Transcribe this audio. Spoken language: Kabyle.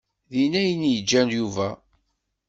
Din ay n-yeǧǧa Yuba.